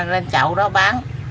lên chậu đó bán